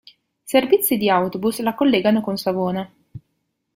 Servizi di autobus la collegano con Savona.